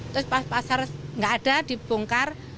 terus pas pasar nggak ada dibongkar